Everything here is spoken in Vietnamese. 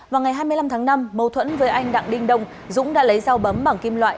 vào ngày hai mươi năm tháng năm mâu thuẫn với anh đặng đinh đông dũng đã lấy dao bấm bằng kim loại